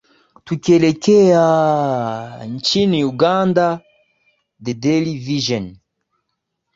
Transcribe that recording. tukielekea aa aa nchini uganda the daily vision